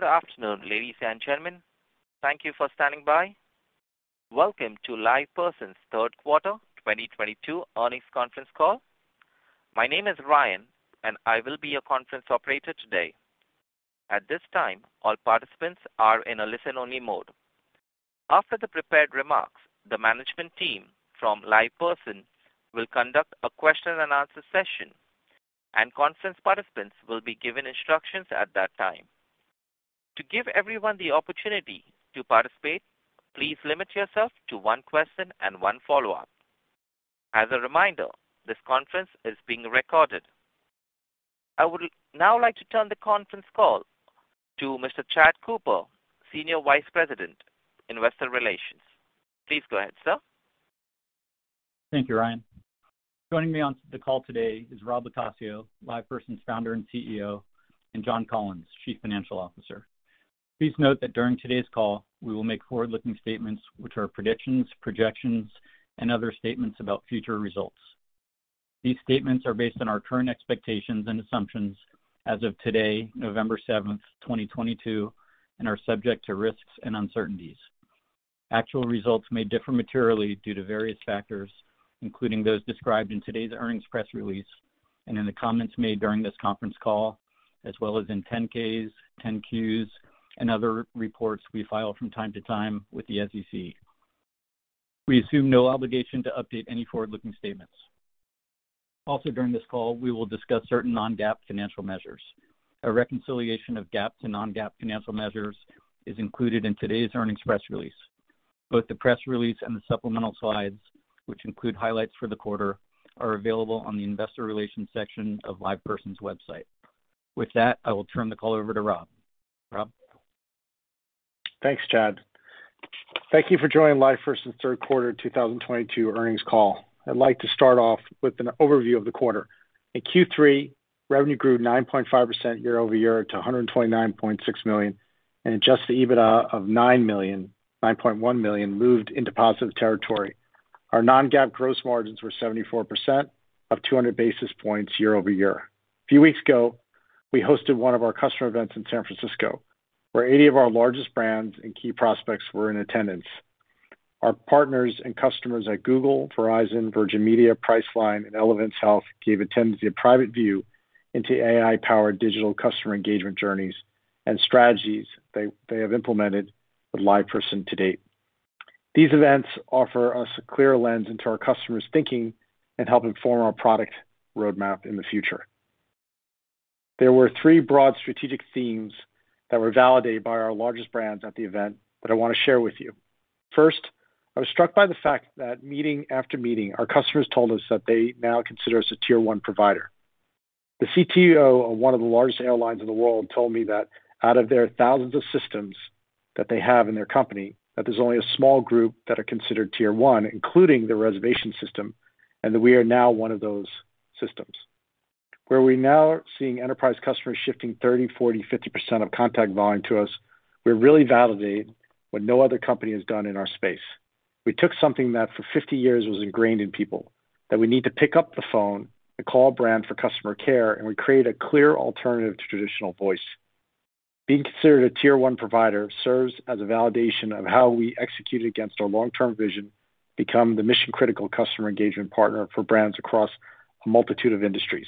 Good afternoon, ladies and gentlemen. Thank you for standing by. Welcome to LivePerson's Third Quarter 2022 Earnings Conference Call. My name is Ryan and I will be your conference operator today. At this time, all participants are in a listen-only mode. After the prepared remarks, the management team from LivePerson will conduct a question and answer session, and conference participants will be given instructions at that time. To give everyone the opportunity to participate, please limit yourself to one question and one follow-up. As a reminder, this conference is being recorded. I would now like to turn the conference call to Mr. Chad Cooper, Senior Vice President, Investor Relations. Please go ahead, sir. Thank you, Ryan. Joining me on the call today is Rob LoCascio, LivePerson's Founder and CEO, and John Collins, Chief Financial Officer. Please note that during today's call, we will make forward-looking statements which are predictions, projections, and other statements about future results. These statements are based on our current expectations and assumptions as of today, November 7, 2022, and are subject to risks and uncertainties. Actual results may differ materially due to various factors, including those described in today's earnings press release and in the comments made during this conference call, as well as in 10-Ks, 10-Qs, and other reports we file from time to time with the SEC. We assume no obligation to update any forward-looking statements. Also, during this call, we will discuss certain non-GAAP financial measures. A reconciliation of GAAP to non-GAAP financial measures is included in today's earnings press release. Both the press release and the supplemental slides, which include highlights for the quarter, are available on the investor relations section of LivePerson's website. With that, I will turn the call over to Rob. Rob? Thanks, Chad. Thank you for joining LivePerson's Q3 2022 Earnings Call. I'd like to start off with an overview of the quarter. In Q3, revenue grew 9.5% year over year to $129.6 million. Adjusted EBITDA of $9.1 million moved into positive territory. Our non-GAAP gross margins were 74%, up 200 basis points year over year. A few weeks ago, we hosted one of our customer events in San Francisco, where 80 of our largest brands and key prospects were in attendance. Our partners and customers at Google, Verizon, Virgin Media, Priceline, and Elevance Health gave attendees a private view into AI-powered digital customer engagement journeys and strategies they have implemented with LivePerson to date. These events offer us a clear lens into our customers' thinking and help inform our product roadmap in the future. There were three broad strategic themes that were validated by our largest brands at the event that I wanna share with you. First, I was struck by the fact that meeting after meeting, our customers told us that they now consider us a tier one provider. The CTO of one of the largest airlines in the world told me that out of their thousands of systems that they have in their company, that there's only a small group that are considered tier one, including their reservation system, and that we are now one of those systems. We're now seeing enterprise customers shifting 30%, 40%, 50% of contact volume to us, we really validate what no other company has done in our space. We took something that for 50 years was ingrained in people, that we need to pick up the phone and call a brand for customer care, and we create a clear alternative to traditional voice. Being considered a tier one provider serves as a validation of how we execute against our long-term vision to become the mission-critical customer engagement partner for brands across a multitude of industries.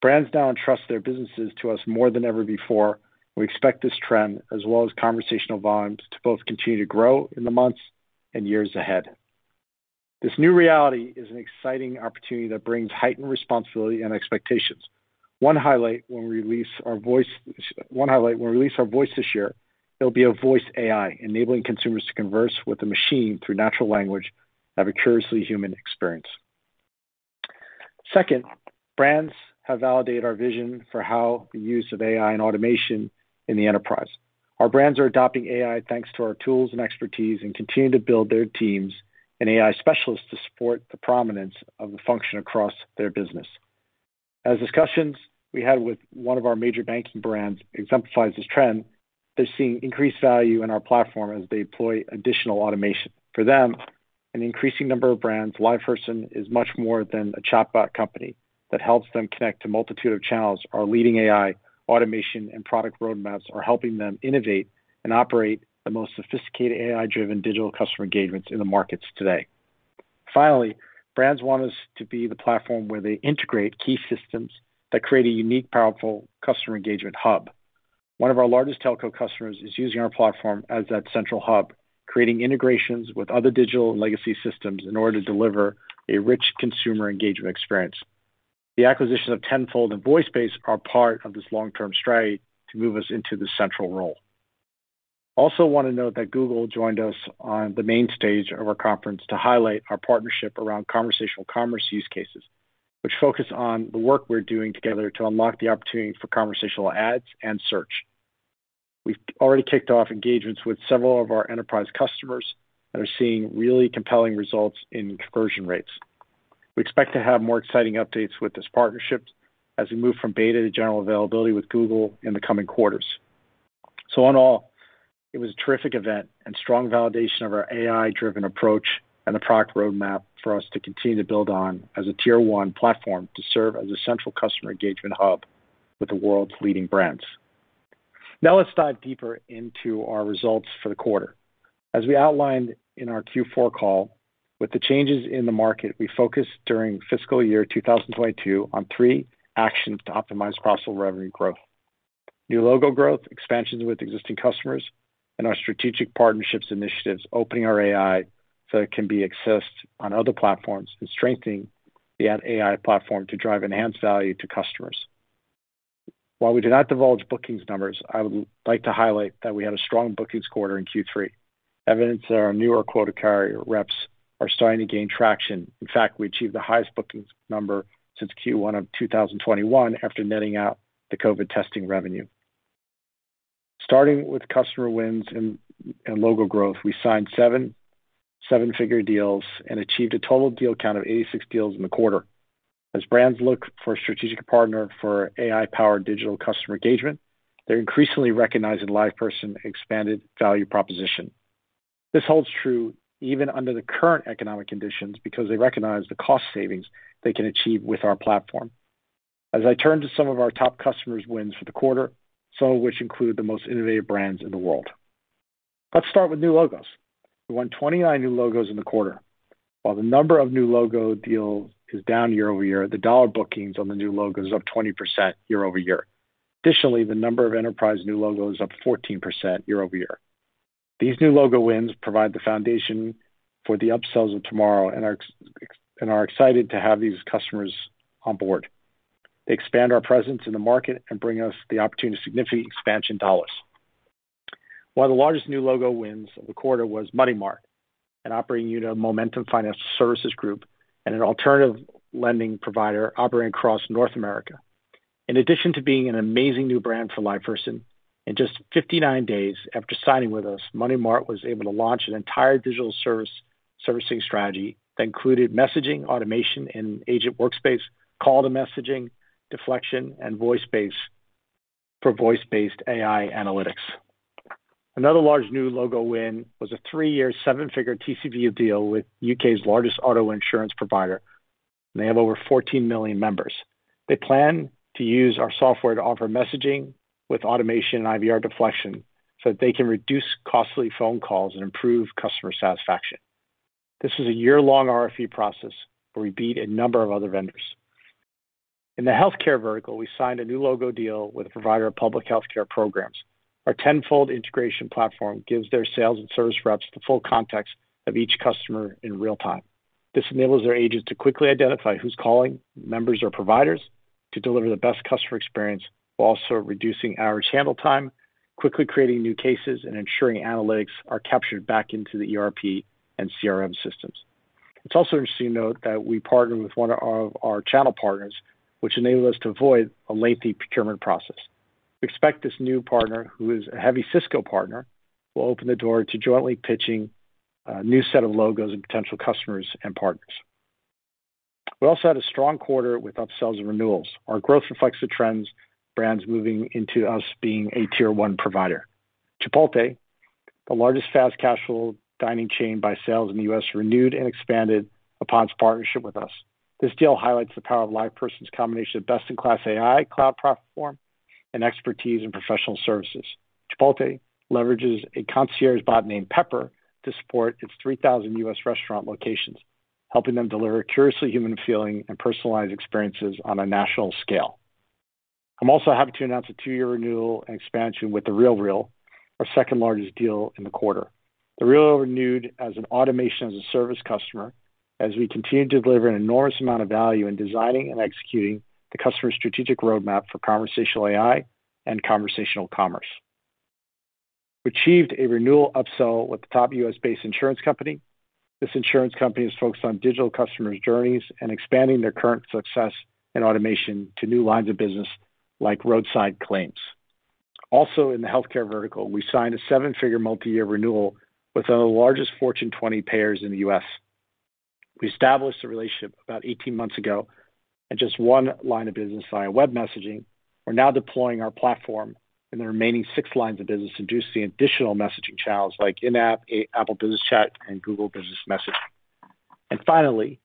Brands now entrust their businesses to us more than ever before. We expect this trend, as well as conversational volumes, to both continue to grow in the months and years ahead. This new reality is an exciting opportunity that brings heightened responsibility and expectations. One highlight when we release our voice this year, it'll be a voice AI, enabling consumers to converse with the machine through natural language, have a curiously human experience. Second, brands have validated our vision for how the use of AI and automation in the enterprise. Our brands are adopting AI, thanks to our tools and expertise, and continue to build their teams and AI specialists to support the prominence of the function across their business. As discussions we had with one of our major banking brands exemplifies this trend, they're seeing increased value in our platform as they deploy additional automation. For them, an increasing number of brands, LivePerson is much more than a chatbot company that helps them connect to a multitude of channels. Our leading AI, automation, and product roadmaps are helping them innovate and operate the most sophisticated AI-driven digital customer engagements in the markets today. Finally, brands want us to be the platform where they integrate key systems that create a unique, powerful customer engagement hub. One of our largest telco customers is using our platform as that central hub, creating integrations with other digital and legacy systems in order to deliver a rich consumer engagement experience. The acquisition of Tenfold and VoiceBase are part of this long-term strategy to move us into the central role. Also want to note that Google joined us on the main stage of our conference to highlight our partnership around conversational commerce use cases, which focus on the work we're doing together to unlock the opportunity for conversational ads and search. We've already kicked off engagements with several of our enterprise customers that are seeing really compelling results in conversion rates. We expect to have more exciting updates with this partnership as we move from beta to general availability with Google in the coming quarters. In all it was a terrific event and strong validation of our AI-driven approach and the product roadmap for us to continue to build on as a tier one platform to serve as a central customer engagement hub with the world's leading brands. Now let's dive deeper into our results for the quarter. As we outlined in our Q4 call, with the changes in the market, we focused during fiscal year 2022 on three actions to optimize cross-sell revenue growth. New logo growth, expansions with existing customers, and our strategic partnerships initiatives opening our AI so it can be accessed on other platforms and strengthening the AI platform to drive enhanced value to customers. While we do not divulge bookings numbers, I would like to highlight that we had a strong bookings quarter in Q3, evidence that our newer quota-carrying reps are starting to gain traction. In fact, we achieved the highest bookings number since Q1 of 2021 after netting out the COVID testing revenue. Starting with customer wins and logo growth, we signed seven seven-figure deals and achieved a total deal count of 86 deals in the quarter. As brands look for a strategic partner for AI-powered digital customer engagement, they're increasingly recognizing LivePerson expanded value proposition. This holds true even under the current economic conditions because they recognize the cost savings they can achieve with our platform. As I turn to some of our top customers wins for the quarter, some of which include the most innovative brands in the world. Let's start with new logos. We won 29 new logos in the quarter. While the number of new logo deals is down year-over-year, the dollar bookings on the new logos is up 20% year-over-year. Additionally, the number of enterprise new logos up 14% year-over-year. These new logo wins provide the foundation for the upsells of tomorrow and are excited to have these customers on board. They expand our presence in the market and bring us the opportunity to significant expansion dollars. One of the largest new logo wins of the quarter was Money Mart, an operating unit of Momentum Financial Services Group and an alternative lending provider operating across North America. In addition to being an amazing new brand for LivePerson, in just 59 days after signing with us, Money Mart was able to launch an entire digital servicing strategy that included messaging, automation, and agent workspace, call to messaging, deflection, and voice-based AI analytics. Another large new logo win was a three-year seven-figure TCV deal with UK's largest auto insurance provider, and they have over 14 million members. They plan to use our software to offer messaging with automation and IVR deflection so that they can reduce costly phone calls and improve customer satisfaction. This is a year-long RFP process where we beat a number of other vendors. In the healthcare vertical, we signed a new logo deal with a provider of public healthcare programs. Our Tenfold integration platform gives their sales and service reps the full context of each customer in real time. This enables their agents to quickly identify who's calling members or providers to deliver the best customer experience while also reducing average handle time, quickly creating new cases, and ensuring analytics are captured back into the ERP and CRM systems. It's also interesting to note that we partnered with one of our channel partners, which enabled us to avoid a lengthy procurement process. We expect this new partner, who is a heavy Cisco partner, will open the door to jointly pitching a new set of logos and potential customers and partners. We also had a strong quarter with upsells and renewals. Our growth reflects the trends, brands moving into us being a tier one provider. Chipotle, the largest fast casual dining chain by sales in the U.S., renewed and expanded upon its partnership with us. This deal highlights the power of LivePerson's combination of best-in-class AI, cloud platform, and expertise in professional services. Chipotle leverages a concierge bot named Pepper to support its 3,000 U.S. restaurant locations, helping them deliver curiously human feeling and personalized experiences on a national scale. I'm also happy to announce a 2-year renewal and expansion with The RealReal, our second-largest deal in the quarter. The RealReal renewed as an Automation as a Service customer as we continue to deliver an enormous amount of value in designing and executing the customer's strategic roadmap for conversational AI and conversational commerce. We achieved a renewal upsell with the top US-based insurance company. This insurance company is focused on digital customers' journeys and expanding their current success in automation to new lines of business like roadside claims. Also, in the healthcare vertical, we signed a 7-figure multi-year renewal with one of the largest Fortune 20 payers in the US. We established a relationship about 18 months ago in just one line of business via web messaging. We're now deploying our platform in the remaining 6 lines of business to access additional messaging channels like in-app, Apple Business Chat, and Google Business Messages. Finally,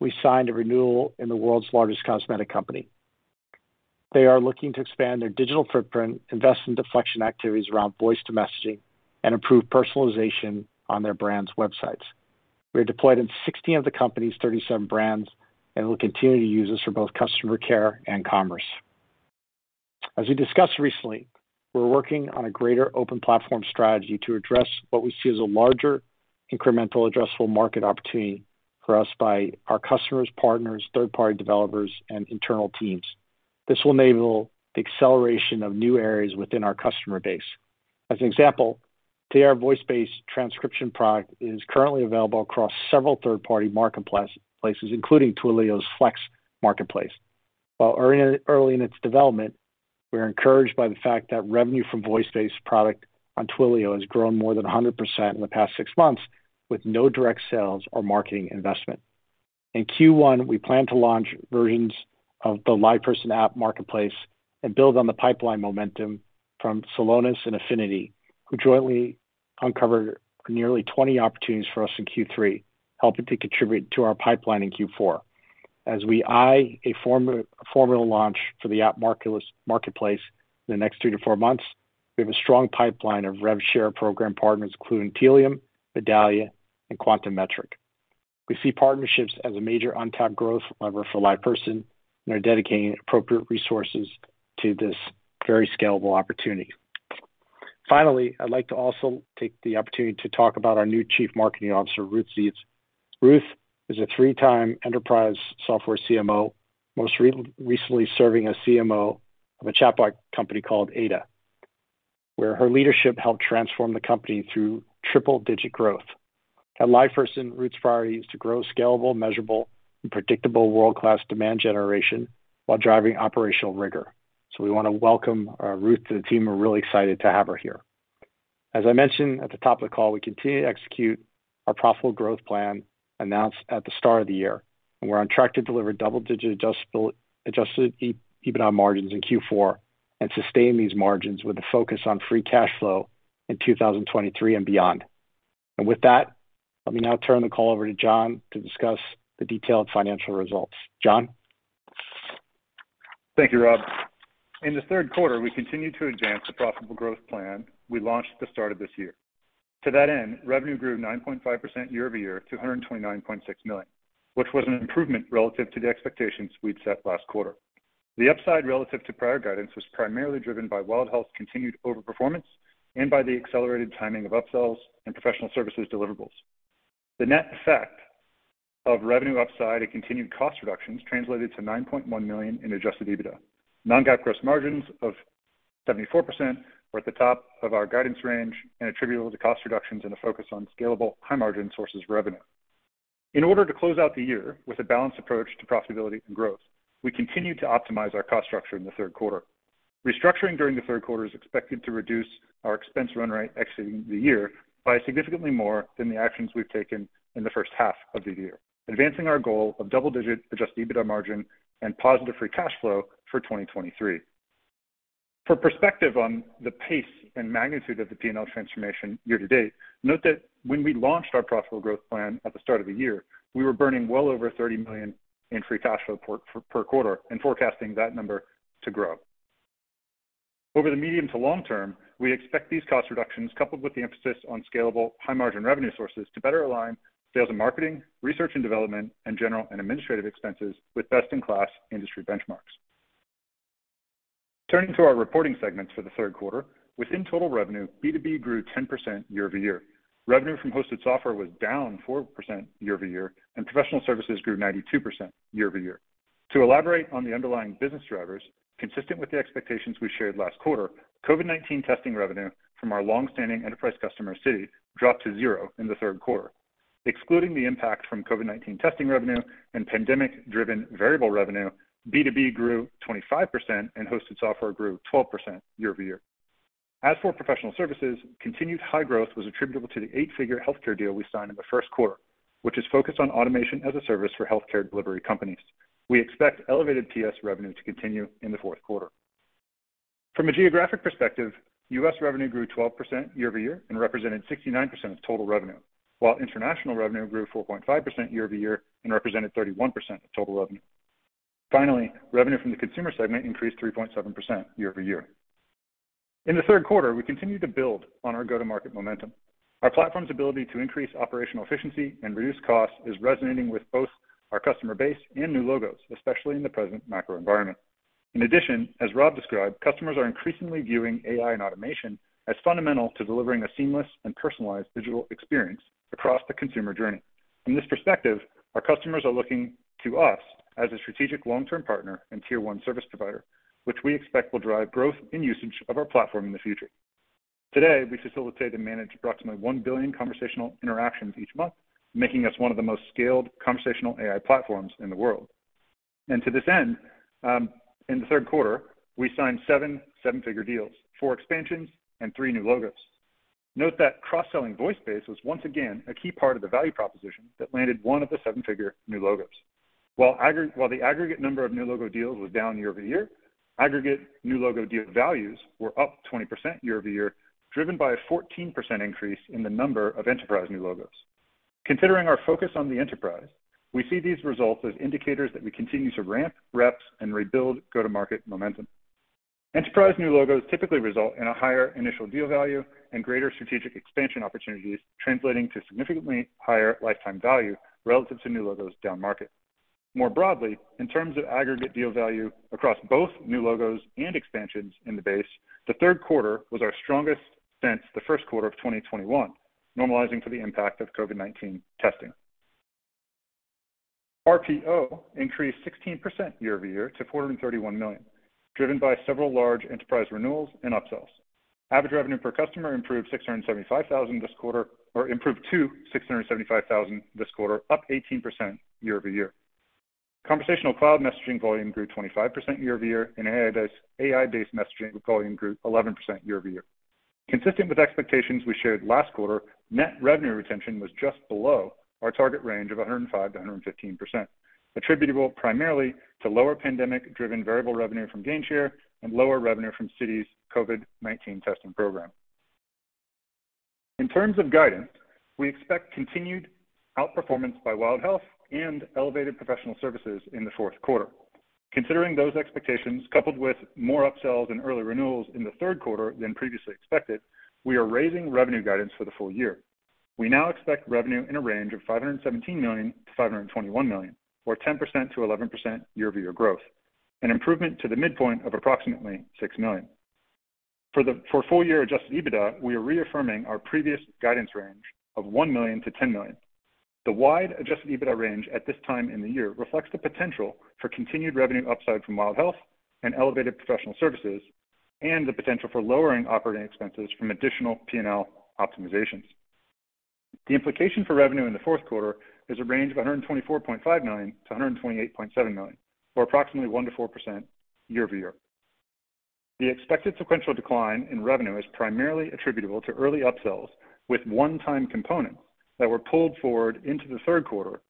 we signed a renewal in the world's largest cosmetic company. They are looking to expand their digital footprint, invest in deflection activities around voice to messaging, and improve personalization on their brand's websites. We are deployed in 16 of the company's 37 brands and will continue to use this for both customer care and commerce. As we discussed recently, we're working on a greater open platform strategy to address what we see as a larger incremental addressable market opportunity for us by our customers, partners, third-party developers, and internal teams. This will enable the acceleration of new areas within our customer base. As an example, VoiceBase is currently available across several third-party marketplaces, including Twilio's Flex Marketplace. While early in its development, we are encouraged by the fact that revenue from voice-based product on Twilio has grown more than 100% in the past 6 months with no direct sales or marketing investment. In Q1, we plan to launch versions of the LivePerson app marketplace and build on the pipeline momentum from Celonis and Afiniti, who jointly uncovered nearly 20 opportunities for us in Q3, helping to contribute to our pipeline in Q4. As we eye a formal launch for the app marketplace in the next 3-4 months, we have a strong pipeline of rev share program partners including Tealium, Medallia, and Quantum Metric. We see partnerships as a major untapped growth lever for LivePerson and are dedicating appropriate resources to this very scalable opportunity. Finally, I'd like to also take the opportunity to talk about our new chief marketing officer, Ruth Zive. Ruth is a three-time enterprise software CMO, most recently serving as CMO of a chatbot company called Ada, where her leadership helped transform the company through triple digit growth. At LivePerson, Ruth's priority is to grow scalable, measurable, and predictable world-class demand generation while driving operational rigor. We wanna welcome Ruth to the team. We're really excited to have her here. As I mentioned at the top of the call, we continue to execute our profitable growth plan announced at the start of the year, and we're on track to deliver double-digit Adjusted EBITDA margins in Q4 and sustain these margins with a focus on free cash flow in 2023 and beyond. With that, let me now turn the call over to John to discuss the detailed financial results. John? Thank you, Rob. In the third quarter, we continued to advance the profitable growth plan we launched at the start of this year. To that end, revenue grew 9.5% year-over-year to $129.6 million, which was an improvement relative to the expectations we'd set last quarter. The upside relative to prior guidance was primarily driven by WildHealth's continued overperformance and by the accelerated timing of upsells and professional services deliverables. The net effect of revenue upside and continued cost reductions translated to $9.1 million in Adjusted EBITDA. non-GAAP gross margins of 74% were at the top of our guidance range and attributable to cost reductions and a focus on scalable high margin sources of revenue. In order to close out the year with a balanced approach to profitability and growth, we continued to optimize our cost structure in the third quarter. Restructuring during the third quarter is expected to reduce our expense run rate exiting the year by significantly more than the actions we've taken in the first half of the year, advancing our goal of double-digit Adjusted EBITDA margin and positive free cash flow for 2023. For perspective on the pace and magnitude of the P&L transformation year to date, note that when we launched our profitable growth plan at the start of the year, we were burning well over $30 million in free cash flow per quarter and forecasting that number to grow. Over the medium to long term, we expect these cost reductions, coupled with the emphasis on scalable high-margin revenue sources to better align sales and marketing, research and development, and general and administrative expenses with best-in-class industry benchmarks. Turning to our reporting segments for the third quarter, within total revenue, B2B grew 10% year-over-year. Revenue from hosted software was down 4% year-over-year, and professional services grew 92% year-over-year. To elaborate on the underlying business drivers, consistent with the expectations we shared last quarter, COVID-19 testing revenue from our long-standing enterprise customer Citi dropped to zero in the third quarter. Excluding the impact from COVID-19 testing revenue and pandemic-driven variable revenue, B2B grew 25% and hosted software grew 12% year-over-year. As for professional services, continued high growth was attributable to the eight-figure healthcare deal we signed in the first quarter, which is focused on Automation as a Service for healthcare delivery companies. We expect elevated PS revenue to continue in the fourth quarter. From a geographic perspective, U.S. revenue grew 12% year-over-year and represented 69% of total revenue, while international revenue grew 4.5% year-over-year and represented 31% of total revenue. Finally, revenue from the consumer segment increased 3.7% year-over-year. In the third quarter, we continued to build on our go-to-market momentum. Our platform's ability to increase operational efficiency and reduce costs is resonating with both our customer base and new logos, especially in the present macro environment. In addition, as Rob described, customers are increasingly viewing AI and automation as fundamental to delivering a seamless and personalized digital experience across the consumer journey. From this perspective, our customers are looking to us as a strategic long-term partner and tier one service provider, which we expect will drive growth in usage of our platform in the future. Today, we facilitate and manage approximately 1 billion conversational interactions each month, making us one of the most scaled conversational AI platforms in the world. To this end, in the third quarter, we signed 7 seven-figure deals, 4 expansions and 3 new logos. Note that cross-selling VoiceBase was once again a key part of the value proposition that landed one of the seven-figure new logos. While the aggregate number of new logo deals was down year-over-year, aggregate new logo deal values were up 20% year-over-year, driven by a 14% increase in the number of enterprise new logos. Considering our focus on the enterprise, we see these results as indicators that we continue to ramp reps and rebuild go-to-market momentum. Enterprise new logos typically result in a higher initial deal value and greater strategic expansion opportunities, translating to significantly higher lifetime value relative to new logos down market. More broadly, in terms of aggregate deal value across both new logos and expansions in the base, the third quarter was our strongest since the first quarter of 2021, normalizing for the impact of COVID-19 testing. RPO increased 16% year-over-year to $431 million, driven by several large enterprise renewals and upsells. Average revenue per customer improved to $675,000 this quarter, up 18% year-over-year. Conversational Cloud messaging volume grew 25% year-over-year, and AI-based messaging volume grew 11% year-over-year. Consistent with expectations we shared last quarter, net revenue retention was just below our target range of 105%-115%, attributable primarily to lower pandemic-driven variable revenue from Gainshare and lower revenue from Citi's COVID-19 testing program. In terms of guidance, we expect continued outperformance by Wild Health and elevated professional services in the fourth quarter. Considering those expectations, coupled with more upsells and early renewals in the third quarter than previously expected, we are raising revenue guidance for the full year. We now expect revenue in a range of $517 million-$521 million, or 10%-11% year-over-year growth, an improvement to the midpoint of approximately $6 million. For full year Adjusted EBITDA, we are reaffirming our previous guidance range of $1 million-$10 million. The wide Adjusted EBITDA range at this time in the year reflects the potential for continued revenue upside from Wild Health and elevated professional services and the potential for lowering operating expenses from additional P&L optimizations. The implication for revenue in the fourth quarter is a range of $124.5 million-$128.7 million, or approximately 1%-4% year-over-year. The expected sequential decline in revenue is primarily attributable to early upsells with one-time components that were pulled forward into the third quarter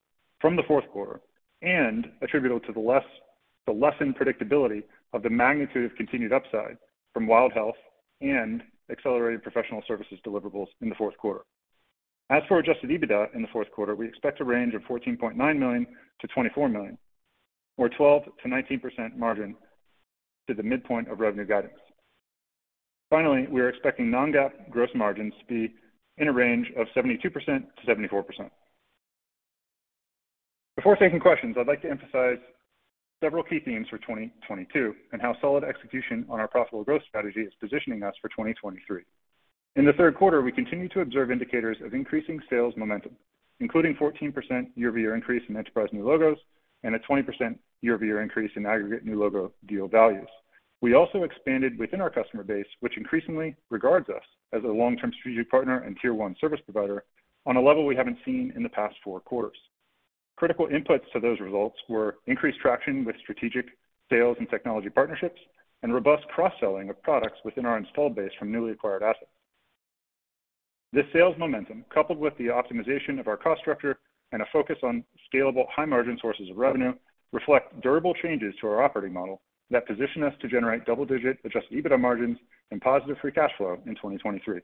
from the fourth quarter, and attributable to the lessened predictability of the magnitude of continued upside from Wild Health and accelerated professional services deliverables in the fourth quarter. As for Adjusted EBITDA in the fourth quarter, we expect a range of $14.9 million-$24 million, or 12%-19% margin to the midpoint of revenue guidance. Finally, we are expecting non-GAAP gross margins to be in a range of 72%-74%. Before taking questions, I'd like to emphasize several key themes for 2022 and how solid execution on our profitable growth strategy is positioning us for 2023. In the third quarter, we continued to observe indicators of increasing sales momentum, including 14% year-over-year increase in enterprise new logos and a 20% year-over-year increase in aggregate new logo deal values. We also expanded within our customer base, which increasingly regards us as a long-term strategic partner and tier one service provider on a level we haven't seen in the past four quarters. Critical inputs to those results were increased traction with strategic sales and technology partnerships and robust cross-selling of products within our installed base from newly acquired assets. This sales momentum, coupled with the optimization of our cost structure and a focus on scalable high margin sources of revenue, reflect durable changes to our operating model that position us to generate double-digit Adjusted EBITDA margins and positive free cash flow in 2023.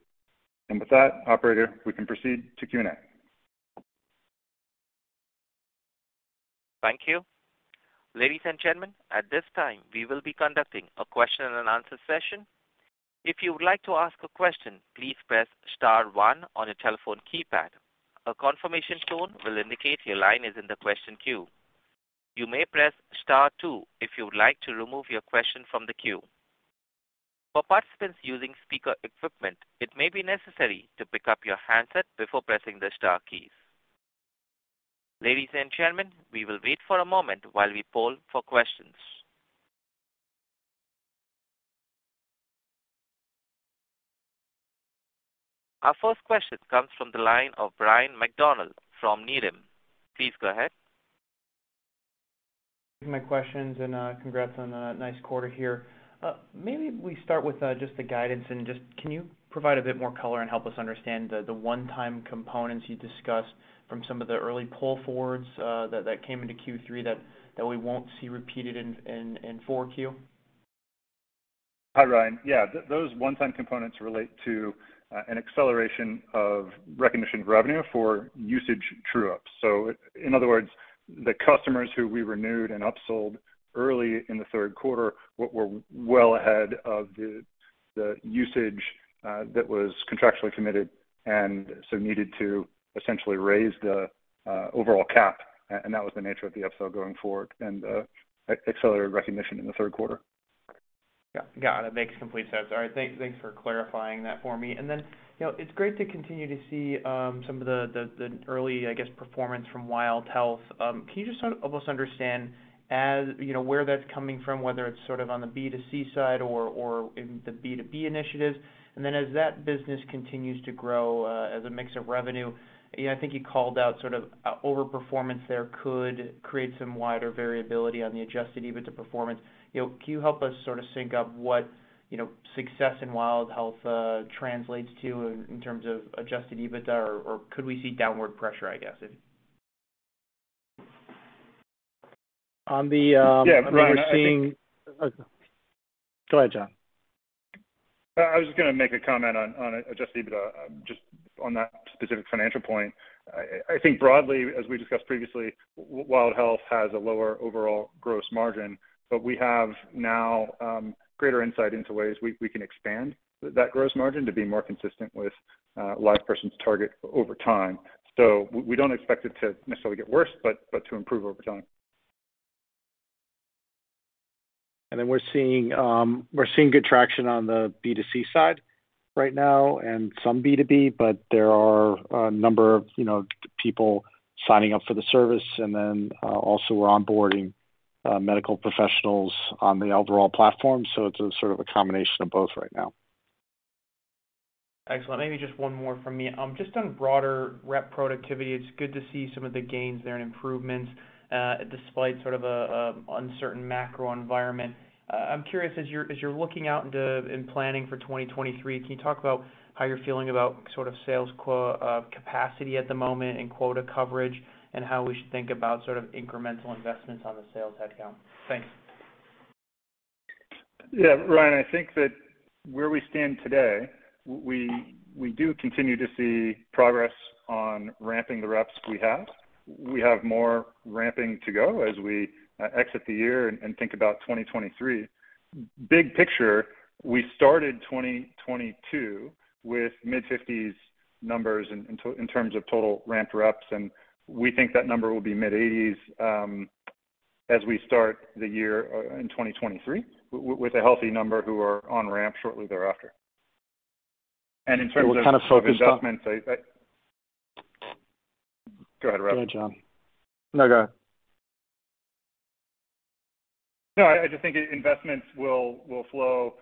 With that, operator, we can proceed to Q&A. Thank you. Ladies and gentlemen, at this time we will be conducting a question and answer session. If you would like to ask a question, please press star one on your telephone keypad. A confirmation tone will indicate your line is in the question queue. You may press star two if you would like to remove your question from the queue. For participants using speaker equipment, it may be necessary to pick up your handset before pressing the star keys. Ladies and gentlemen, we will wait for a moment while we poll for questions. Our first question comes from the line of Ryan MacDonald from Needham. Please go ahead. My questions, congrats on a nice quarter here. Maybe we start with just the guidance and just can you provide a bit more color and help us understand the one-time components you discussed from some of the early pull forwards that came into Q3 that we won't see repeated in Q4? Hi, Ryan. Yeah, those one-time components relate to an acceleration of recognition of revenue for usage true-ups. In other words, the customers who we renewed and upsold early in the third quarter were well ahead of the usage that was contractually committed and so needed to essentially raise the overall cap, and that was the nature of the upsell going forward and accelerated recognition in the third quarter. Yeah. Got it. Makes complete sense. All right, thanks for clarifying that for me. Then, you know, it's great to continue to see some of the early, I guess, performance from Wild Health. Can you just help us understand, you know, where that's coming from, whether it's sort of on the B2C side or in the B2B initiatives? Then as that business continues to grow, as a mix of revenue, you know, I think you called out sort of overperformance there could create some wider variability on the Adjusted EBITDA performance. You know, can you help us sort of sync up what, you know, success in Wild Health translates to in terms of adjusted EBITDA? Or could we see downward pressure, I guess? On the, um- Yeah. We're seeing. I think. Go ahead, John. I was just gonna make a comment on Adjusted EBITDA, just on that specific financial point. I think broadly, as we discussed previously, Wild Health has a lower overall gross margin, but we have now greater insight into ways we can expand that gross margin to be more consistent with LivePerson's target over time. We don't expect it to necessarily get worse, but to improve over time. Then we're seeing good traction on the B2C side right now and some B2B, but there are a number of, you know, people signing up for the service and then also we're onboarding medical professionals on the overall platform. It's a sort of a combination of both right now. Excellent. Maybe just one more from me. Just on broader rep productivity, it's good to see some of the gains there and improvements, despite sort of an uncertain macro environment. I'm curious, as you're looking out into and planning for 2023, can you talk about how you're feeling about sort of sales capacity at the moment and quota coverage and how we should think about sort of incremental investments on the sales headcount? Thanks. Yeah, Ryan, I think that where we stand today, we do continue to see progress on ramping the reps we have. We have more ramping to go as we exit the year and think about 2023. Big picture, we started 2022 with mid-50s numbers in terms of total ramped reps, and we think that number will be mid-80s as we start the year in 2023, with a healthy number who are on ramp shortly thereafter. In terms of- We're kind of focused on. Go ahead, Rob. Go ahead, John. No, go. No, I just think investments will flow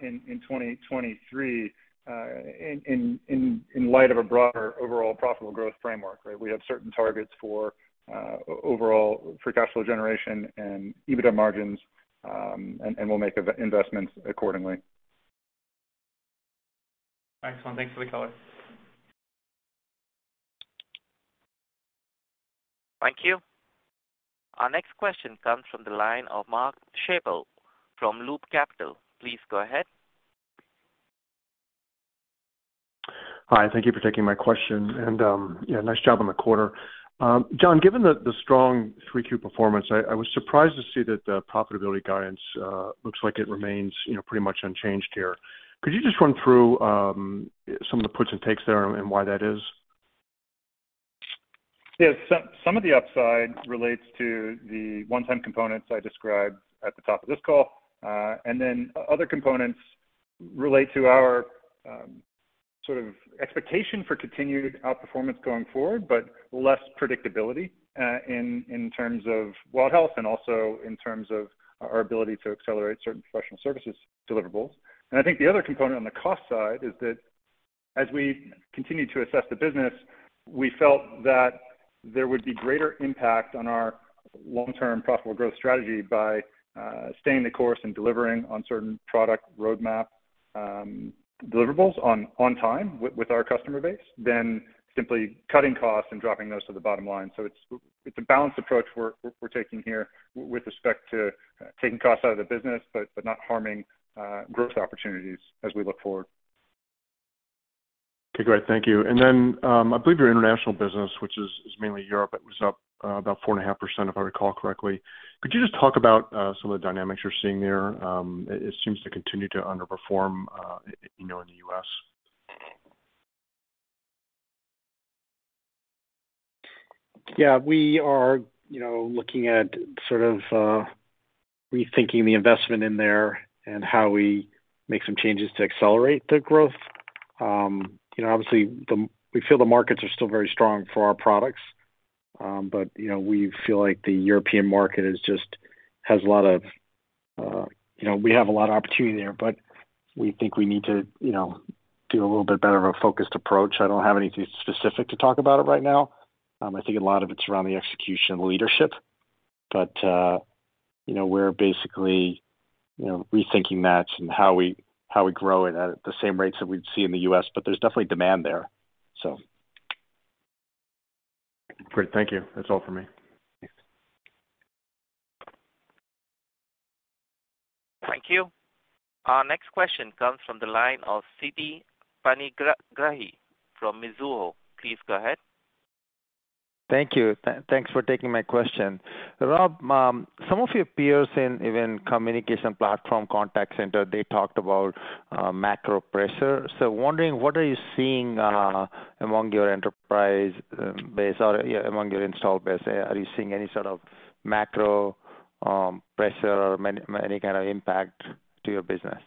in 2023 in light of a broader overall profitable growth framework, right? We have certain targets for overall free cash flow generation and EBITDA margins, and we'll make investments accordingly. Excellent. Thanks for the color. Thank you. Our next question comes from the line of Mark Schappel from Loop Capital. Please go ahead. Hi, thank you for taking my question. Yeah, nice job on the quarter. John, given the strong 3Q performance, I was surprised to see that the profitability guidance looks like it remains, you know, pretty much unchanged here. Could you just run through some of the puts and takes there and why that is? Yeah. Some of the upside relates to the one-time components I described at the top of this call. Other components relate to our sort of expectation for continued outperformance going forward, but less predictability in terms of Wild Health and also in terms of our ability to accelerate certain professional services deliverables. I think the other component on the cost side is that as we continue to assess the business, we felt that there would be greater impact on our long-term profitable growth strategy by staying the course and delivering on certain product roadmap deliverables on time with our customer base than simply cutting costs and dropping those to the bottom line. It's a balanced approach we're taking here with respect to taking costs out of the business, but not harming growth opportunities as we look forward. Okay, great. Thank you. I believe your international business, which is mainly Europe. It was up about 4.5%, if I recall correctly. Could you just talk about some of the dynamics you're seeing there? It seems to continue to underperform, you know, in the US. Yeah. We are, you know, looking at sort of rethinking the investment in there and how we make some changes to accelerate the growth. You know, obviously we feel the markets are still very strong for our products. But you know, we feel like the European market is just has a lot of, you know, we have a lot of opportunity there, but we think we need to, you know, do a little bit better of a focused approach. I don't have anything specific to talk about it right now. I think a lot of it's around the execution leadership, but, you know, we're basically, you know, rethinking that and how we grow it at the same rates that we'd see in the US. But there's definitely demand there, so. Great. Thank you. That's all for me. Thanks. Thank you. Our next question comes from the line of Siti Panigrahi from Mizuho. Please go ahead. Thank you. Thanks for taking my question. Rob, some of your peers in even communication platform contact center, they talked about macro pressure. Wondering, what are you seeing among your enterprise base or among your installed base? Are you seeing any sort of macro pressure or any kind of impact to your business?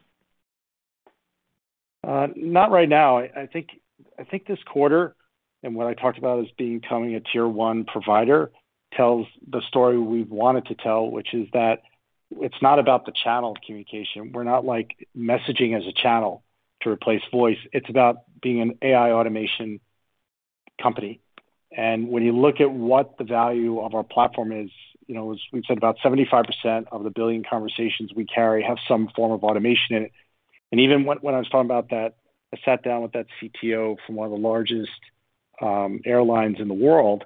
Not right now. I think this quarter, and what I talked about as becoming a tier one provider, tells the story we've wanted to tell, which is that it's not about the channel communication. We're not like messaging as a channel to replace voice. It's about being an AI automation company. When you look at what the value of our platform is, you know, as we've said, about 75% of a billion conversations we carry have some form of automation in it. Even when I was talking about that, I sat down with that CTO from one of the largest airlines in the world,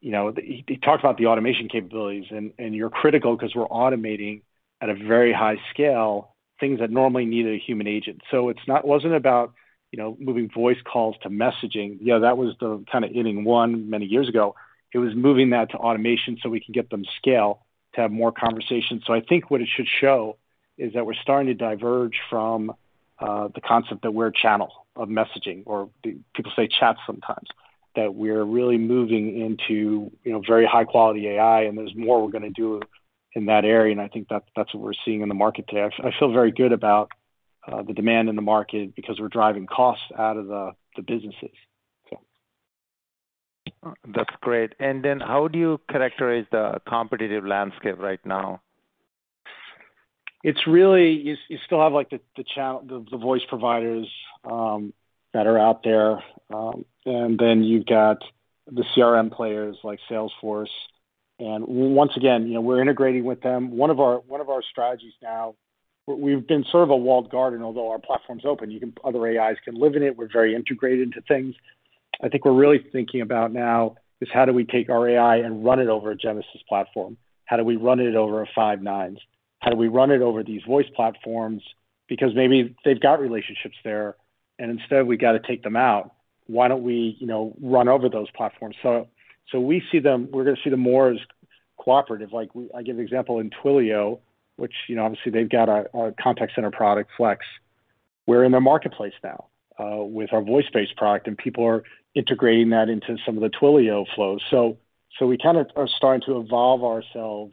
you know, he talked about the automation capabilities, and it's critical because we're automating at a very high scale things that normally need a human agent. It wasn't about, you know, moving voice calls to messaging. Yeah, that was the kind of inning one many years ago. It was moving that to automation so we can get to scale to have more conversations. I think what it should show is that we're starting to diverge from the concept that we're a channel of messaging or people say chat sometimes. That we're really moving into, you know, very high-quality AI, and there's more we're gonna do in that area, and I think that's what we're seeing in the market today. I feel very good about the demand in the market because we're driving costs out of the businesses. That's great. How do you characterize the competitive landscape right now? It's really true. You still have, like, the voice providers that are out there. You've got the CRM players like Salesforce. Once again, you know, we're integrating with them. One of our strategies now, we've been sort of a walled garden, although our platform's open. Other AIs can live in it. We're very integrated into things. I think we're really thinking about now is how do we take our AI and run it over a Genesys platform? How do we run it over a Five9? How do we run it over these voice platforms? Because maybe they've got relationships there, and instead we gotta take them out. Why don't we, you know, run over those platforms? We're gonna see them more as cooperative. Like I give example in Twilio, which, you know, obviously they've got a contact center product, Flex. We're in their marketplace now with our voice-based product, and people are integrating that into some of the Twilio flows. We kind of are starting to evolve ourselves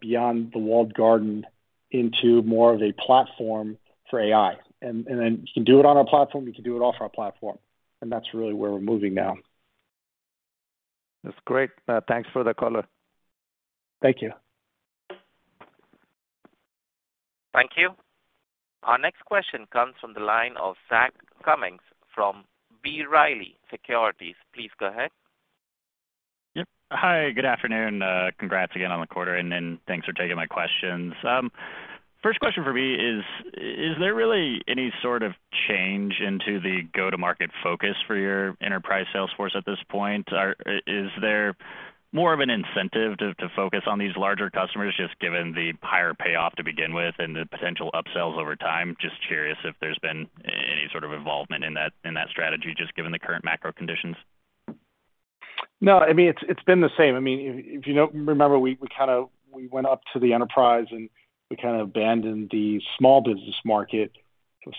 beyond the walled garden into more of a platform for AI. Then you can do it on our platform, you can do it off our platform, and that's really where we're moving now. That's great. Thanks for the color. Thank you. Thank you. Our next question comes from the line of Zach Cummins from B. Riley Securities. Please go ahead. Yep. Hi, good afternoon. Congrats again on the quarter, and then thanks for taking my questions. First question for me is there really any sort of change in the go-to-market focus for your enterprise sales force at this point? Is there more of an incentive to focus on these larger customers, just given the higher payoff to begin with and the potential upsells over time? Just curious if there's been any sort of involvement in that strategy, just given the current macro conditions. No, I mean, it's been the same. I mean, if you don't remember, we kind of went up to the enterprise and we kind of abandoned the small business market.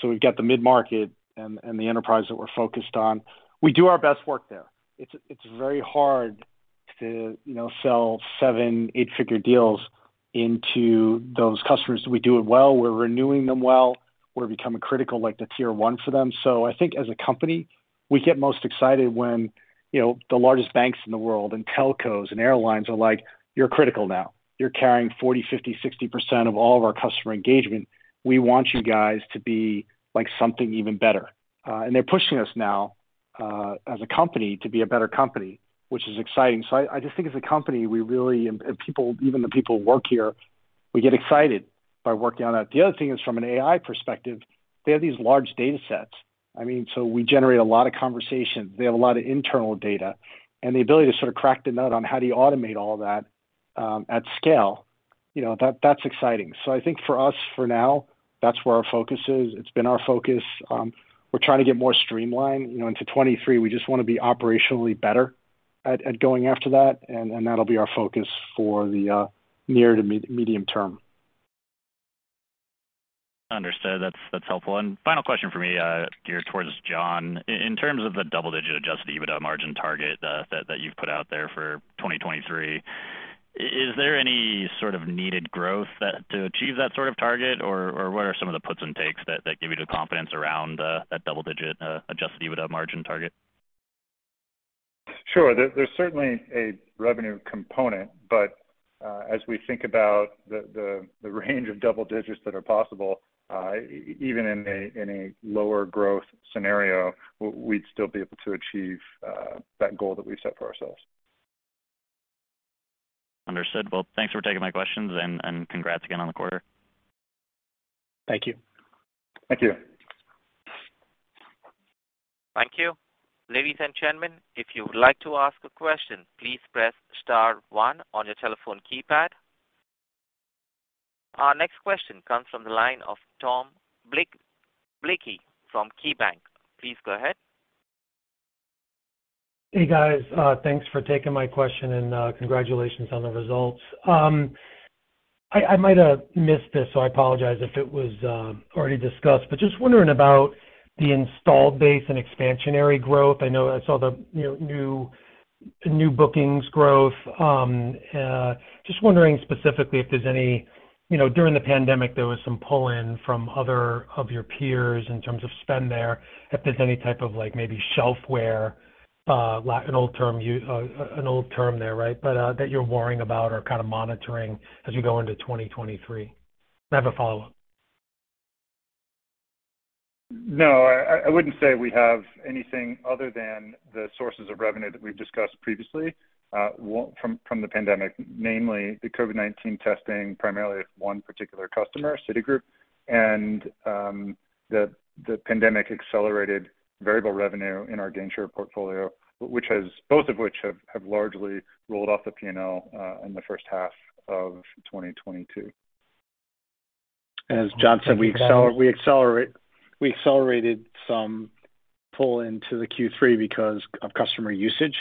So we've got the mid-market and the enterprise that we're focused on. We do our best work there. It's very hard to, you know, sell 7-, 8-figure deals into those customers. We do it well. We're renewing them well. We're becoming critical, like the tier one for them. So I think as a company, we get most excited when, you know, the largest banks in the world and telcos and airlines are like, "You're critical now. You're carrying 40%, 50%, 60% of all of our customer engagement. We want you guys to be like something even better." They're pushing us now, as a company to be a better company, which is exciting. I just think as a company, we really and people, even the people who work here, we get excited by working on that. The other thing is from an AI perspective, they have these large datasets. I mean, we generate a lot of conversations. They have a lot of internal data, and the ability to sort of crack the nut on how do you automate all that, at scale, you know, that's exciting. I think for us, for now, that's where our focus is. It's been our focus. We're trying to get more streamlined. You know, into 2023, we just wanna be operationally better at going after that, and that'll be our focus for the near to medium term. Understood. That's helpful. Final question for me, geared towards John. In terms of the double-digit Adjusted EBITDA margin target that you've put out there for 2023, is there any sort of needed growth to achieve that sort of target? What are some of the puts and takes that give you the confidence around that double-digit Adjusted EBITDA margin target? Sure. There's certainly a revenue component. As we think about the range of double digits that are possible, even in a lower growth scenario, we'd still be able to achieve that goal that we set for ourselves. Understood. Well, thanks for taking my questions, and congrats again on the quarter. Thank you. Thank you. Thank you. Ladies and gentlemen, if you would like to ask a question, please press star one on your telephone keypad. Our next question comes from the line of Tom Blakey from KeyBanc. Please go ahead. Hey, guys. Thanks for taking my question, and congratulations on the results. I might have missed this, so I apologize if it was already discussed, but just wondering about the installed base and expansionary growth. I know I saw the new bookings growth. Just wondering specifically if there's any. You know, during the pandemic, there was some pull-in from other of your peers in terms of spend there. If there's any type of like maybe shelfware, an old term there, right? But that you're worrying about or kind of monitoring as you go into 2023. I have a follow-up. No, I wouldn't say we have anything other than the sources of revenue that we've discussed previously, from the pandemic, namely the COVID-19 testing, primarily one particular customer, Citigroup. The pandemic accelerated variable revenue in our Gainshare portfolio, both of which have largely rolled off the P&L, in the first half of 2022. As John said, we accelerated some pull into the Q3 because of customer usage,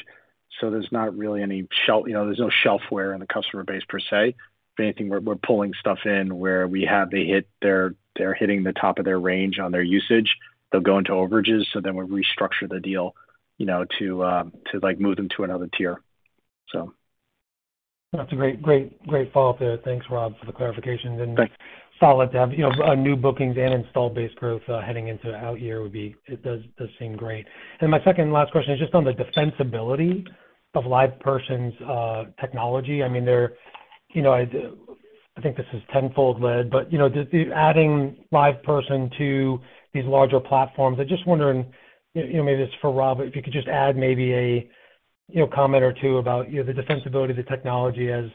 so there's not really any shelfware in the customer base per se. If anything, we're pulling stuff in where we have a hit. They're hitting the top of their range on their usage. They'll go into overages, so then we restructure the deal, you know, to like move them to another tier. That's a great follow-up there. Thanks, Rob, for the clarification. Thanks. Solid to have, you know, new bookings and installed base growth heading into Q4 here would be. It does seem great. My second to last question is just on the defensibility of LivePerson's technology. I mean, you know, I think this is Tenfold-led, but, you know, adding LivePerson to these larger platforms, I'm just wondering, you know, maybe this is for Rob, if you could just add maybe a, you know, comment or two about, you know, the defensibility of the technology as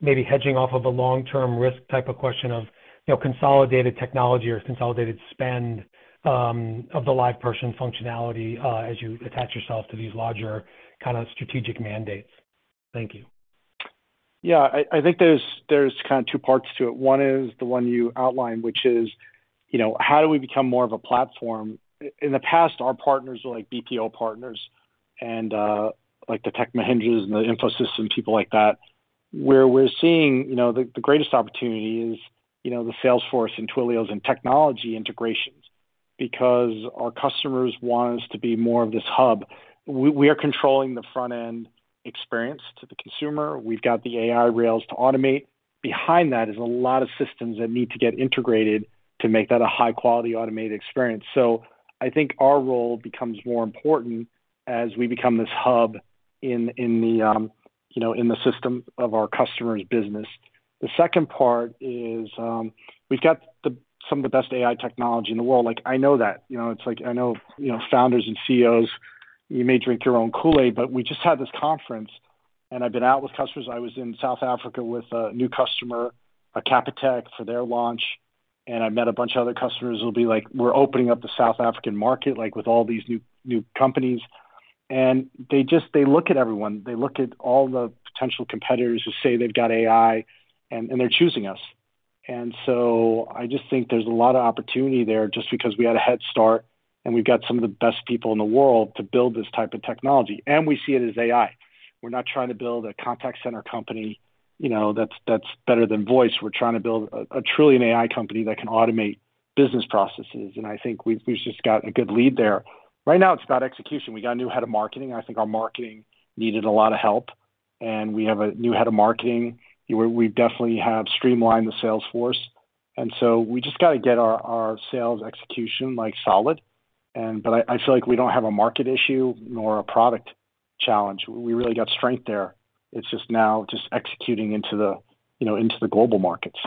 maybe hedging off of a long-term risk type of question of, you know, consolidated technology or consolidated spend of the LivePerson functionality as you attach yourself to these larger kind of strategic mandates. Thank you. Yeah. I think there's kind of two parts to it. One is the one you outlined, which is, you know, how do we become more of a platform? In the past, our partners were like BPO partners and like the Tech Mahindra and the Infosys and people like that. Where we're seeing, you know, the greatest opportunity is, you know, the Salesforce and Twilio and technology integrations because our customers want us to be more of this hub. We are controlling the front end experience to the consumer. We've got the AI rails to automate. Behind that is a lot of systems that need to get integrated to make that a high-quality automated experience. So I think our role becomes more important as we become this hub in the system of our customers' business. The second part is, we've got some of the best AI technology in the world. Like, I know that. You know, it's like I know, you know, founders and CEOs, you may drink your own Kool-Aid, but we just had this conference, and I've been out with customers. I was in South Africa with a new customer, Capitec, for their launch, and I met a bunch of other customers who'll be like, "We're opening up the South African market, like, with all these new companies." They just look at everyone. They look at all the potential competitors who say they've got AI, and they're choosing us. I just think there's a lot of opportunity there just because we had a head start, and we've got some of the best people in the world to build this type of technology, and we see it as AI. We're not trying to build a contact center company, you know, that's better than voice. We're trying to build a trillion AI company that can automate business processes, and I think we've just got a good lead there. Right now it's about execution. We got a new head of marketing. I think our marketing needed a lot of help, and we have a new head of marketing. We definitely have streamlined the sales force, and so we just gotta get our sales execution, like, solid. But I feel like we don't have a market issue nor a product challenge. We really got strength there. It's just now executing, you know, into the global markets.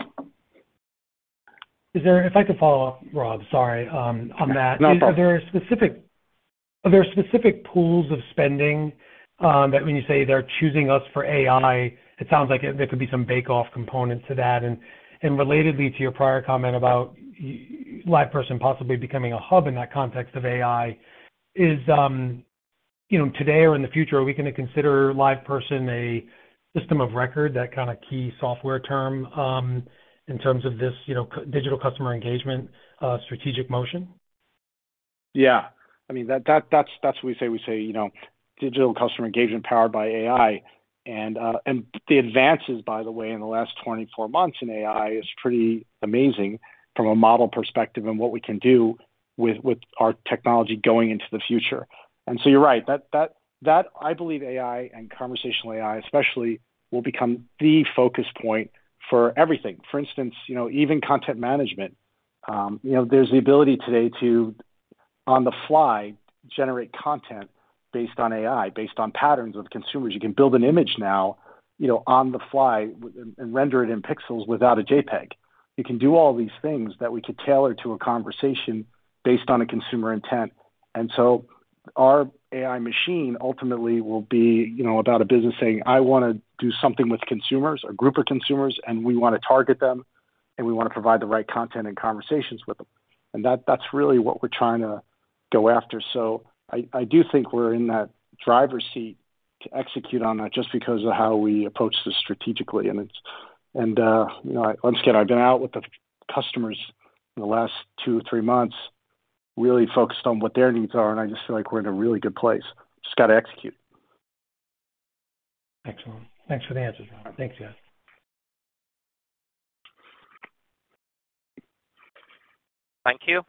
If I could follow up, Rob, sorry, on that. No, no problem. Are there specific pools of spending that when you say they're choosing us for AI, it sounds like there could be some bake-off components to that? Relatedly to your prior comment about LivePerson possibly becoming a hub in that context of AI, you know, today or in the future, are we gonna consider LivePerson a system of record, that kind of key software term, in terms of this, you know, digital customer engagement strategic motion? Yeah. I mean, that's what we say. We say, you know, digital customer engagement powered by AI. The advances, by the way, in the last 24 months in AI is pretty amazing from a model perspective and what we can do with our technology going into the future. You're right. I believe AI and conversational AI especially will become the focus point for everything. For instance, you know, even content management. You know, there's the ability today to, on the fly, generate content based on AI, based on patterns of consumers. You can build an image now, you know, on the fly and render it in pixels without a JPEG. You can do all these things that we could tailor to a conversation based on a consumer intent. Our AI machine ultimately will be, you know, about a business saying, "I wanna do something with consumers or a group of consumers, and we wanna target them, and we wanna provide the right content and conversations with them." That's really what we're trying to go after. I do think we're in that driver's seat to execute on that just because of how we approach this strategically. You know, once again, I've been out with the customers in the last 2, 3 months, really focused on what their needs are, and I just feel like we're in a really good place. Just gotta execute. Excellent. Thanks for the answers, Rob. Thanks, guys. Thank you.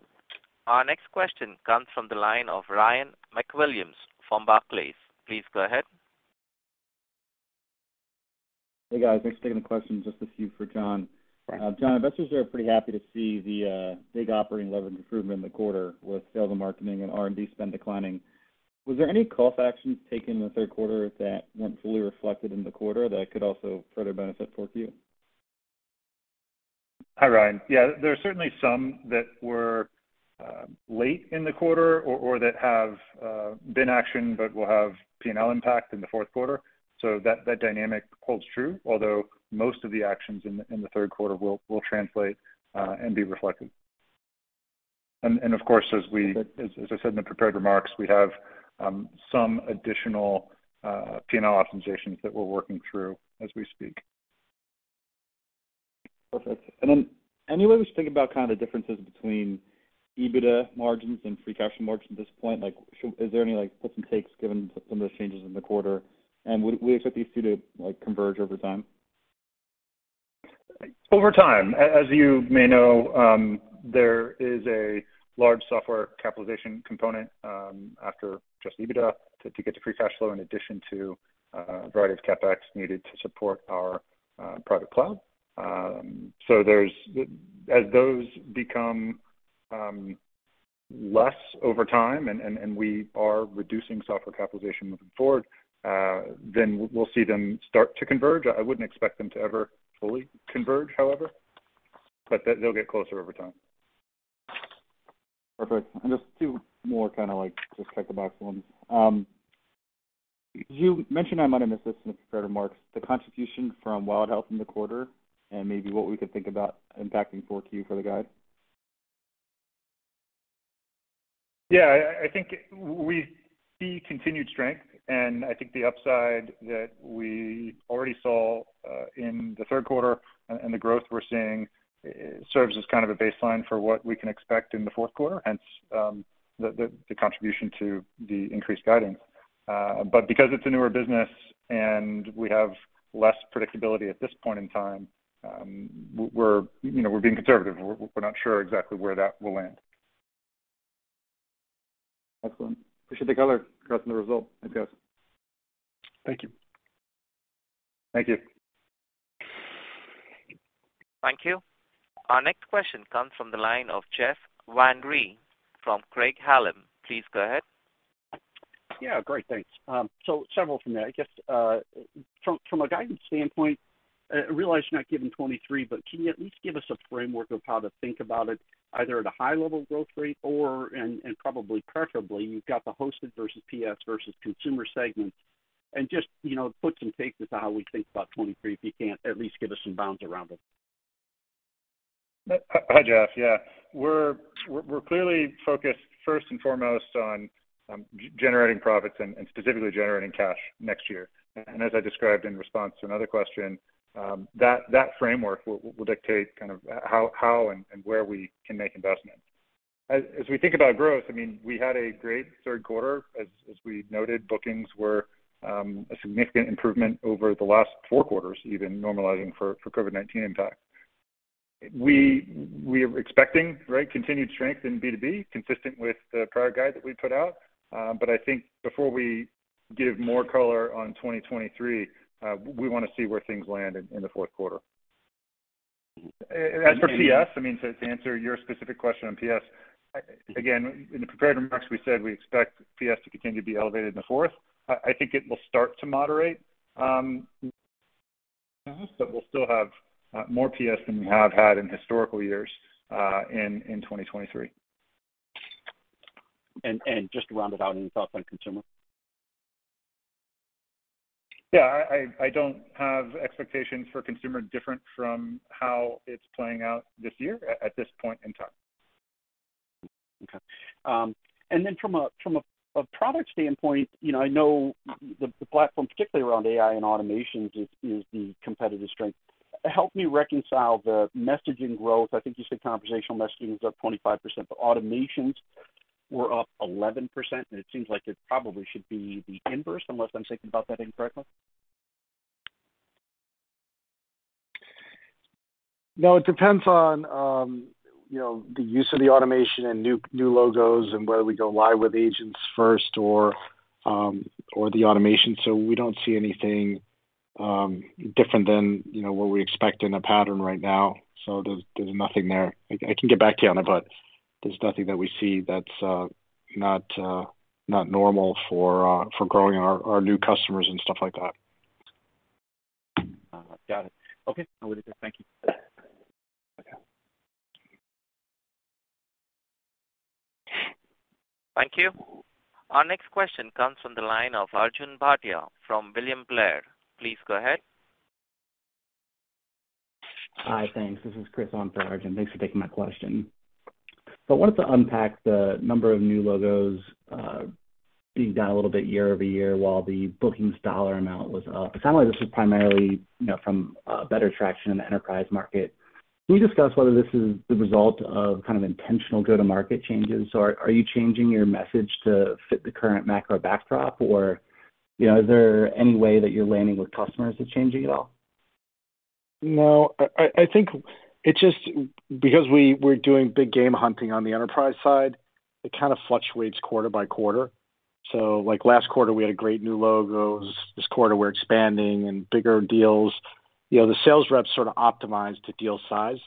Our next question comes from the line of Ryan MacWilliams from Barclays. Please go ahead. Hey, guys. Thanks for taking the question. Just a few for John. Right. John, investors are pretty happy to see the big operating leverage improvement in the quarter with sales and marketing and R&D spend declining. Was there any call to action taken in the third quarter that weren't fully reflected in the quarter that could also further benefit fourth Q? Hi, Ryan. Yeah. There are certainly some that were late in the quarter or that have been actioned but will have P&L impact in the fourth quarter. That dynamic holds true, although most of the actions in the third quarter will translate and be reflected. Of course, as I said in the prepared remarks, we have some additional P&L optimizations that we're working through as we speak. Perfect. Then any way to just think about kind of the differences between EBITDA margins and free cash flow margin at this point? Like, is there any, like, puts and takes given some of those changes in the quarter? Would we expect these two to, like, converge over time? Over time, as you may know, there is a large software capitalization component after just EBITDA to get to free cash flow in addition to a variety of CapEx needed to support our private cloud. As those become less over time and we are reducing software capitalization moving forward, then we'll see them start to converge. I wouldn't expect them to ever fully converge, however, but they'll get closer over time. Perfect. Just two more kinda like just check-the-box ones. You mentioned, I might have missed this in the prepared remarks, the contribution from Wild Health in the quarter and maybe what we could think about impacting forward Q for the guide. Yeah. I think we see continued strength, and I think the upside that we already saw in the third quarter and the growth we're seeing serves as kind of a baseline for what we can expect in the fourth quarter, hence, the contribution to the increased guidance. Because it's a newer business and we have less predictability at this point in time, we're, you know, being conservative. We're not sure exactly where that will land. Excellent. Appreciate the color across the result. Thanks, guys. Thank you. Thank you. Thank you. Our next question comes from the line of Jeff Van Rhee from Craig-Hallum. Please go ahead. Yeah. Great. Thanks. So several from there. I guess from a guidance standpoint, I realize you're not giving 2023, but can you at least give us a framework of how to think about it either at a high level growth rate or and probably preferably you've got the hosted versus PS versus consumer segments and just you know put some frame as to how we think about 2023, if you can't at least give us some bounds around it. Hi, Jeff. Yeah. We're clearly focused first and foremost on generating profits and specifically generating cash next year. As I described in response to another question, that framework will dictate kind of how and where we can make investments. As we think about growth, I mean, we had a great third quarter. As we noted, bookings were a significant improvement over the last four quarters, even normalizing for COVID-19 impact. We are expecting, right, continued strength in B2B, consistent with the prior guide that we put out. I think before we give more color on 2023, we wanna see where things land in the fourth quarter. As for PS, I mean, to answer your specific question on PS, again, in the prepared remarks, we said we expect PS to continue to be elevated in the fourth. I think it will start to moderate, but we'll still have more PS than we have had in historical years, in 2023. Just to round it out, any thoughts on consumer? Yeah. I don't have expectations for consumer different from how it's playing out this year at this point in time. Okay. From a product standpoint, you know, I know the platform, particularly around AI and automations is the competitive strength. Help me reconcile the messaging growth. I think you said conversational messaging is up 25%, but automations were up 11%. It seems like it probably should be the inverse, unless I'm thinking about that incorrectly. No, it depends on, you know, the use of the automation and new logos and whether we go live with agents first or the automation. We don't see anything different than, you know, what we expect in a pattern right now. There's nothing there. I can get back to you on it, but there's nothing that we see that's not normal for growing our new customers and stuff like that. Got it. Okay. No further. Thank you. Okay. Thank you. Our next question comes from the line of Arjun Bhatia from William Blair. Please go ahead. Hi. Thanks. This is Chris on for Arjun. Thanks for taking my question. I wanted to unpack the number of new logos being down a little bit year-over-year while the bookings dollar amount was up. It sounds like this is primarily, you know, from better traction in the enterprise market. Can you discuss whether this is the result of kind of intentional go-to-market changes, or are you changing your message to fit the current macro backdrop? Or, you know, is there any way that you're landing with customers is changing at all? No. I think it's just because we're doing big game hunting on the enterprise side, it kinda fluctuates quarter by quarter. Like last quarter, we had great new logos. This quarter, we're expanding and bigger deals. You know, the sales reps sorta optimize to deal size.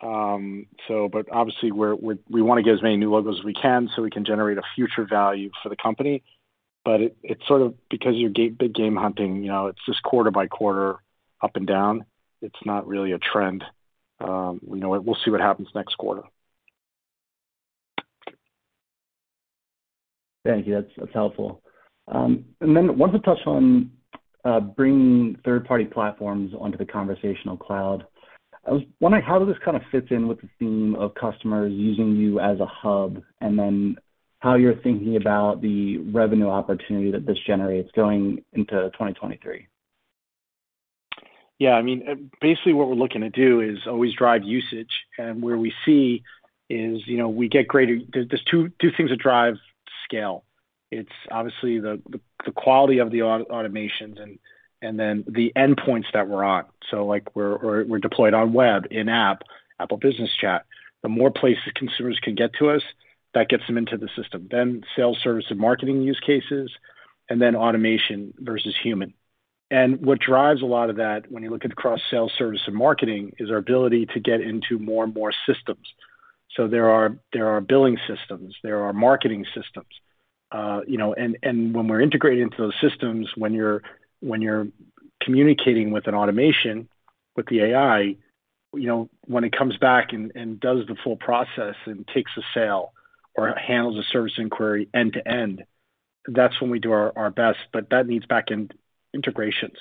But obviously we wanna get as many new logos as we can so we can generate a future value for the company. But it's sort of because you're big game hunting, you know, it's just quarter by quarter up and down. It's not really a trend. You know, we'll see what happens next quarter. Thank you. That's helpful. I wanted to touch on bringing third-party platforms onto the Conversational Cloud. I was wondering how this kinda fits in with the theme of customers using you as a hub, and then how you're thinking about the revenue opportunity that this generates going into 2023. Yeah. I mean, basically what we're looking to do is always drive usage. Where we see is, you know, we get greater. There are two things that drive scale. It's obviously the quality of the automations and then the endpoints that we're on. Like we're deployed on web, in-app, Apple Business Chat. The more places' consumers can get to us, that gets them into the system. Sales, service and marketing use cases, and then automation versus human. What drives a lot of that, when you look at cross sales, service and marketing, is our ability to get into more and more systems. There are billing systems, there are marketing systems, you know. When we're integrating into those systems, when you're communicating with an automation, with the AI, you know, when it comes back and does the full process and takes a sale or handles a service inquiry end to end, that's when we do our best. But that needs backend integrations.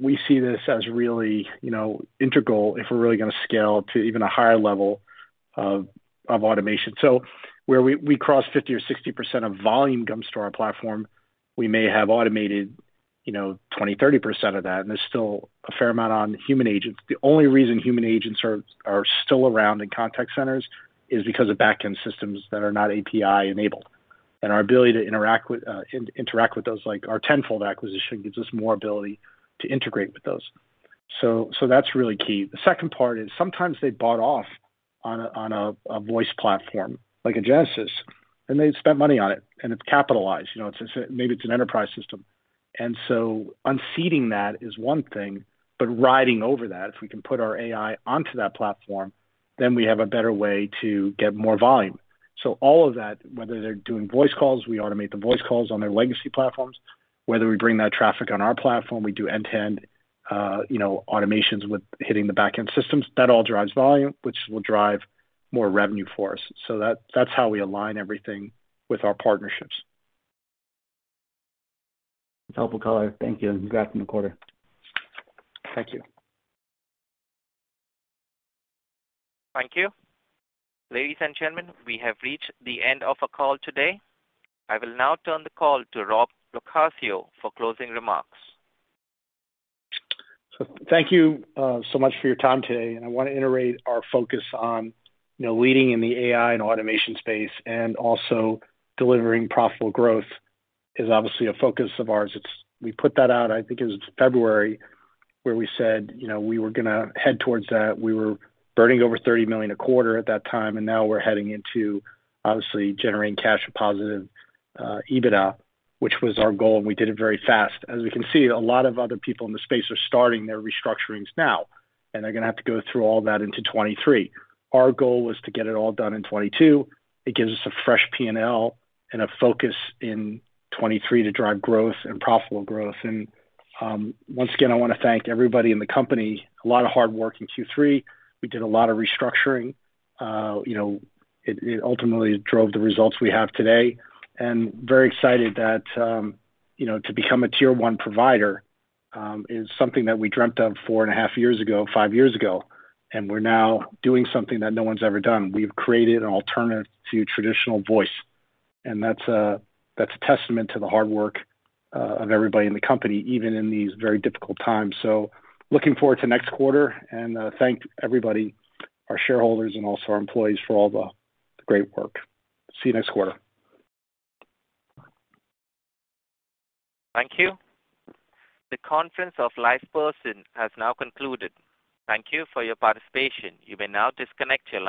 We see this as really, you know, integral if we're really gonna scale to even a higher level of automation. Where we cross 50% or 60% of volume comes to our platform. We may have automated, you know, 20%, 30% of that, and there's still a fair amount on human agents. The only reason human agents are still around in contact centers is because of backend systems that are not API enabled. Our ability to interact with those, like our Tenfold acquisition gives us more ability to integrate with those. That's really key. The second part is sometimes they bought off on a voice platform like a Genesys, and they spent money on it, and it's capitalized. You know, it's maybe an enterprise system. Unseating that is one thing, but riding over that, if we can put our AI onto that platform, then we have a better way to get more volume. All of that, whether they're doing voice calls, we automate the voice calls on their legacy platforms. Whether we bring that traffic on our platform, we do end-to-end, you know, automations with hitting the backend systems. That all drives volume, which will drive more revenue for us. That, that's how we align everything with our partnerships. Helpful color. Thank you, and congrats on the quarter. Thank you. Thank you. Ladies and gentlemen, we have reached the end of our call today. I will now turn the call to Rob LoCascio for closing remarks. Thank you so much for your time today. I wanna iterate our focus on, you know, leading in the AI and automation space and also delivering profitable growth is obviously a focus of ours. We put that out, I think it was February, where we said, you know, we were gonna head towards that. We were burning over $30 million a quarter at that time, and now we're heading into obviously generating cash positive EBITDA, which was our goal, and we did it very fast. As we can see, a lot of other people in the space are starting their restructurings now, and they're gonna have to go through all that into 2023. Our goal was to get it all done in 2022. It gives us a fresh P&L and a focus in 2023 to drive growth and profitable growth. Once again, I wanna thank everybody in the company. A lot of hard work in Q3. We did a lot of restructuring. You know, it ultimately drove the results we have today. Very excited that, you know, to become a tier one provider, is something that we dreamt of four and a half years ago, five years ago. We're now doing something that no one's ever done. We've created an alternative to traditional voice, and that's a testament to the hard work of everybody in the company, even in these very difficult times. Looking forward to next quarter and thank everybody, our shareholders and also our employees for all the great work. See you next quarter. Thank you. The conference of LivePerson has now concluded. Thank you for your participation. You may now disconnect your line.